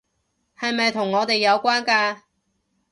係咪同我哋有關㗎？